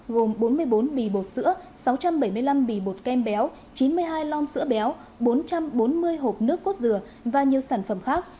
gồm bốn mươi bốn bì bột sữa sáu trăm bảy mươi năm bì bột kem béo chín mươi hai lon sữa béo bốn trăm bốn mươi hộp nước cốt dừa và nhiều sản phẩm khác